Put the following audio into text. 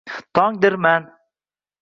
Tongdirman